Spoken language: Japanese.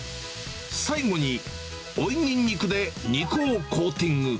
最後に、追いニンニクで肉をコーティング。